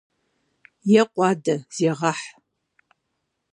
Екъу адэ, зегъэхь!